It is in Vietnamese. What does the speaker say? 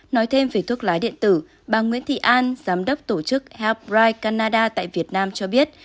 nói thêm về thuốc lá điện tử bà nguyễn thị an giám đốc tổ chức apride canada tại việt nam cho biết